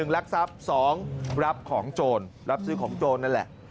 ลักทรัพย์๒รับของโจรรับซื้อของโจรนั่นแหละ